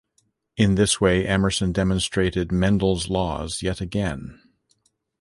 In this way Emerson demonstrated Mendel's Laws yet again.